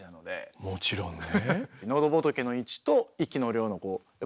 もちろんね。